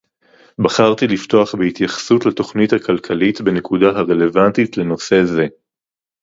בחרתי לפתוח בהתייחסות לתוכנית הכלכלית בנקודה הרלוונטית לנושא זה